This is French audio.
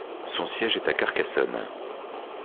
Son siège est à Carcassonne.